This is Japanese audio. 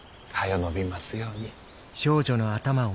伸びますように。